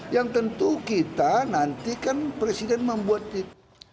yang tentu kita nanti kan presiden membuat itu